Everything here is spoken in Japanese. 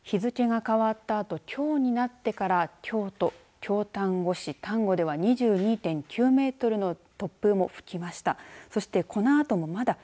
日付が変わったあときょうになってから京都、京丹後市丹後では２２．９メートルの突風も吹きました。